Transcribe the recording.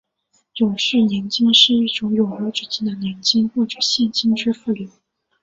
永续年金是一种永无止境的年金或者现金支付流。